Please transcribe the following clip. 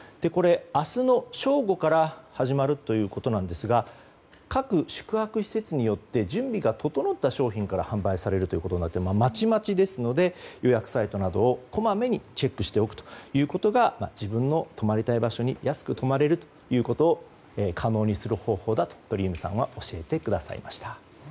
明日の正午から始まるということですが各宿泊施設によって準備が整った商品から販売されるということでまちまちですので予約サイトなどをこまめにチェックしておくことが自分の泊まりたい場所に安く泊まれることを可能にする方法だと、鳥海さんは教えてくださいました。